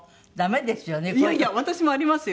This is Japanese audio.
いやいや私もありますよ。